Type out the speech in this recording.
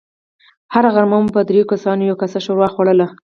هره غرمه مو په دريو کسانو يوه کاسه ښوروا خوړله.